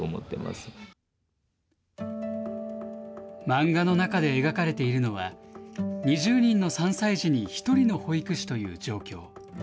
漫画の中で描かれているのは、２０人の３歳児に１人の保育士という状況。